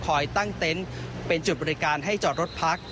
ตั้งเต็นต์เป็นจุดบริการให้จอดรถพัก